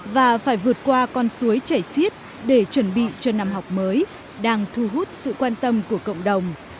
và phải vượt qua con suối chảy xiết để chuẩn bị cho năm học mới đang thu hút sự quan tâm của cộng đồng